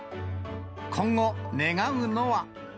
今後、願うのは。